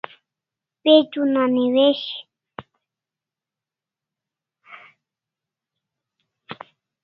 Page una newishi